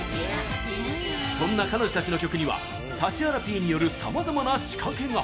そんな彼女たちの曲には指原 Ｐ によるさまざまな仕掛けが。